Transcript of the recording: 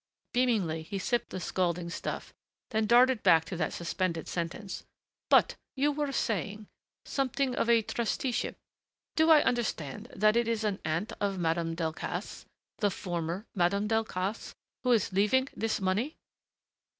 Beamingly he sipped the scalding stuff, then darted back to that suspended sentence. "But you were saying something of a trusteeship?... Do I understand that it is an aunt of Madame Delcassé the former Madame Delcassé who is leaving this money?"